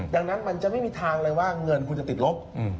ดังนั้นมันจะไม่มีทางเลยว่าเงินคุณจะติดลบ